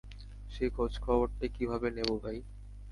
সেই খোঁজখবরটাই কীভাবে নেবো, ভাই?